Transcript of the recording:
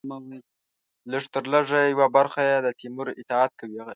لږترلږه یوه برخه یې د تیمور اطاعت کوي.